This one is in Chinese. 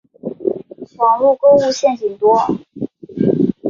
网路购物陷阱多